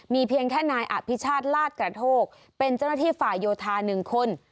เพียงแค่นายอภิชาติลาดกระโทกเป็นเจ้าหน้าที่ฝ่ายโยธา๑คน